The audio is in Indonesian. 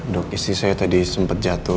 dok isi saya tadi sempat jatuh